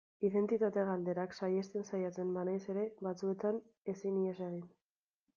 Identitate galderak saihesten saiatzen banaiz ere, batzuetan ezin ihes egin.